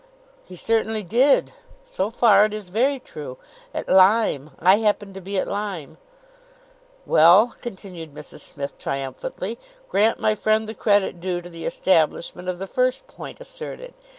"He certainly did. So far it is very true. At Lyme. I happened to be at Lyme." "Well," continued Mrs Smith, triumphantly, "grant my friend the credit due to the establishment of the first point asserted.